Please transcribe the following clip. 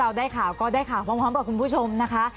เราได้ข่าวก็ได้ข่าวพร้อมกับคุณผู้ชมนะคะ